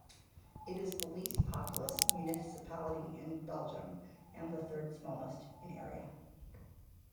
It is the least populous municipality in Belgium, and the third smallest in area.